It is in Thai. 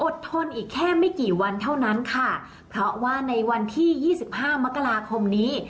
ทนอีกแค่ไม่กี่วันเท่านั้นค่ะเพราะว่าในวันที่ยี่สิบห้ามกราคมนี้